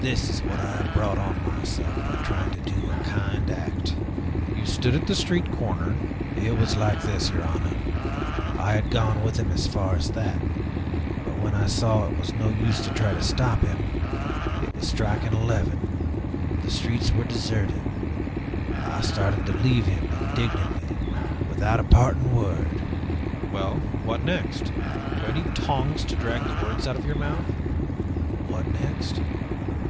This is what I have brought on myself by trying to do a kind act!" "You stood at the street corner " "It was like this, your honor. I had gone with him as far as that. But when I saw that it was no use to try to stop him it was striking eleven the streets were deserted I started to leave him indignantly, without a parting word " "Well, what next? Do I need tongs to drag the words out of your mouth?" "What next?